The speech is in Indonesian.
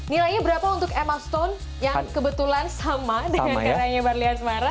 nilainya berapa untuk emma stone yang kebetulan sama dengan karanya barli asmara